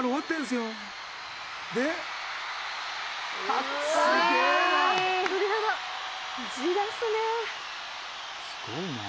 「すごいね」